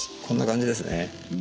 こんな感じですね。